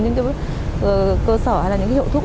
những cơ sở hay là những hiệu thuốc